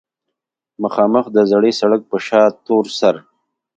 مخامخ د زړې سړک پۀ شا تورسر